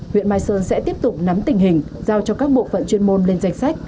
huyện mai sơn sẽ tiếp tục nắm tình hình giao cho các bộ phận chuyên môn lên danh sách